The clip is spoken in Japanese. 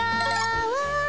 うわ